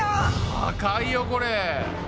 高いよこれ！